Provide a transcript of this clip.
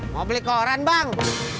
mau beli koran bang